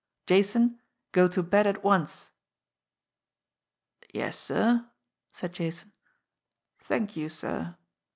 Jason, go to bed at once !" "Yes, sir," said Jason. "Thank you, sir.